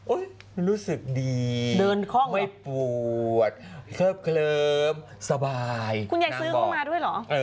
รู้สึกดีเดินคล่องไม่ปวดเคิบเคลิ้มสบายคุณยายซื้อเข้ามาด้วยเหรอ